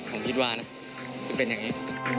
ผมคิดว่านะจะเป็นอย่างนี้